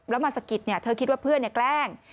แล้วมาสะกิดเนี่ยเธอคิดว่าเพื่อนเนี่ยแกล้ง